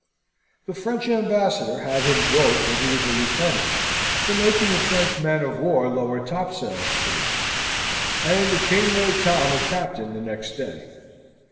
The French Ambassador had him broke, when he was a lieutenant, for making a French man of war lower topsails to him, and the King made Tom a captain the next day.